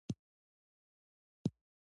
ستونزه له عمومي قضاوت څخه پیلېږي.